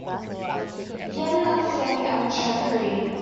He had an outstanding amateur career.